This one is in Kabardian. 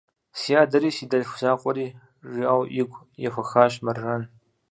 Си адэри, си дэлъху закъуэри, – жиӏэу, и гур ехуэхащ Мэржан.